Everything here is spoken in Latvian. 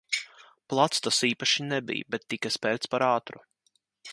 Plats tas īpaši nebija, bet tika sperts par ātru.